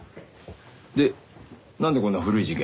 でなんでこんな古い事件。